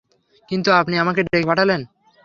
কিন্তু আপনি আমাকে ডেকে পাঠালেন।